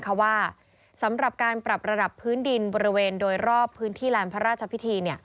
เพราะว่าสำหรับการปรับระดับพื้นดินบริเวณโดยรอบพื้นที่ลานพระราชพิธี